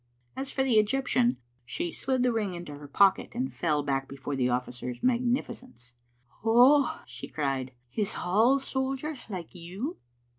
As for the Egyptian, she slid the ring into her pocket, and fell back before the oflScer's magnificence. " Oh," she cried, " is all sojers like you?"